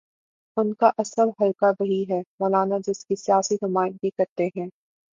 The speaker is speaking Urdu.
ان کا اصل حلقہ وہی ہے، مولانا جس کی سیاسی نمائندگی کرتے ہیں۔